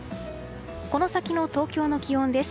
この先の東京の気温です。